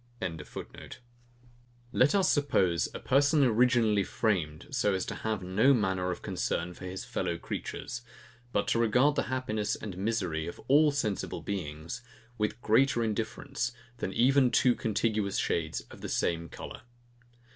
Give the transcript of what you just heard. ] Let us suppose a person originally framed so as to have no manner of concern for his fellow creatures, but to regard the happiness and misery of all sensible beings with greater indifference than even two contiguous shades of the same colour.